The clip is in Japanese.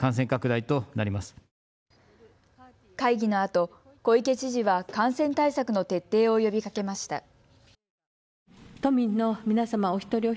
会議のあと小池知事は感染対策の徹底を呼びかけました。